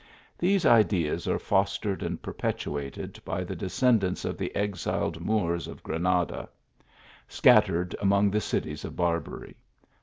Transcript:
These ideas are fostered and perpetuated by the descendants of the exiled Moors of Granada, scatter ed among the cities of Barbary.